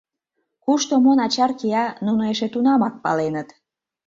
Кушто мо начар кия — нуно эше тунамак паленыт.